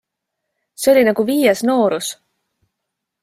See oli nagu viies noorus.